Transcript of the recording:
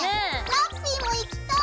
ラッピィも行きたい。